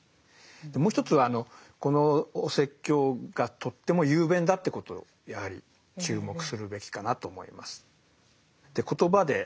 もう一つはこのお説教がとっても雄弁だってことであり注目するべきかなと思います。